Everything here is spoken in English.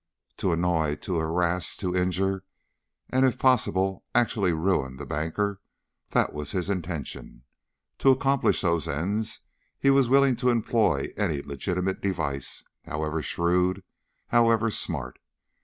To annoy, to harass, to injure, and if possible actually to ruin the banker, that was his intention; to accomplish those ends he was willing to employ any legitimate device, however shrewd, however smart.